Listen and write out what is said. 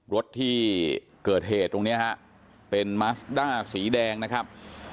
รถที่เกิดเหตุตรงนี้ฮะเป็นมัสด้าสีแดงนะครับ